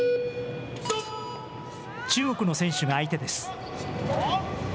中国の選手が相手です。